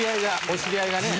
お知り合いがね。